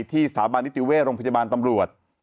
สถาบันนิติเวชโรงพยาบาลตำรวจ